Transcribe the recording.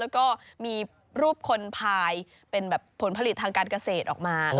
แล้วก็มีรูปคนพายเป็นแบบผลผลิตทางการเกษตรออกมา